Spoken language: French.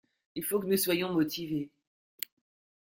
Il faut que nous soyons motivés.